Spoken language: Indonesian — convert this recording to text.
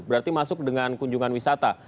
berarti masuk dengan kunjungan wisata